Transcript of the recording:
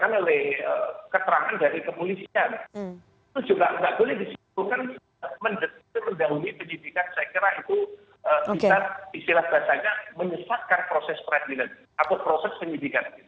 atau proses penyidikan